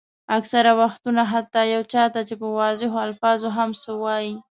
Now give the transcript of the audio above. اکثره وختونه حتیٰ یو چا ته چې په واضحو الفاظو هم څه وایئ.